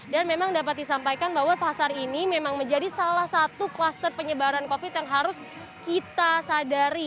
dan memang dapat disampaikan bahwa pasar ini memang menjadi salah satu kluster penyebaran covid sembilan belas yang harus kita sadari